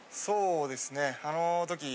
そうですねあの時。